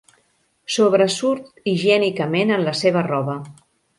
Sobresurt higiènicament en la seva roba.